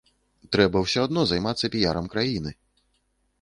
Трэба ўсё адно займацца піярам краіны.